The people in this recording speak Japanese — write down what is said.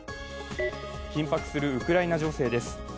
緊迫するウクライナ情勢です。